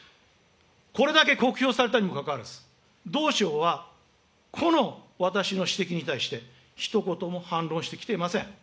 これだけ酷評されたにもかかわらず、同省はこの私の指摘に対して、ひと言も反論してきていません。